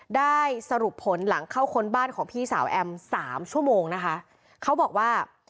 ได้สรุปผลหลังเข้าค้นบ้านของพี่สาวแอมสามชั่วโมงนะคะเขาบอกว่า